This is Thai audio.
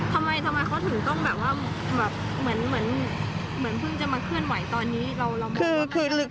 ทำไมเขาถึงต้องแบบว่าแบบเหมือนเพิ่งจะมาเคลื่อนไหวตอนนี้